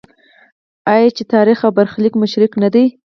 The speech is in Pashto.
آیا چې تاریخ او برخلیک مو شریک نه دی؟